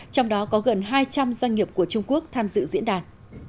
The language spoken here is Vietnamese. trong đó có gần hai trăm linh doanh nghiệp của trung quốc tham dự diễn đàn